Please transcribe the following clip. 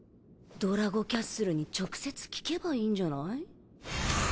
ドラゴキャッスルに直接聞けばいいんじゃない？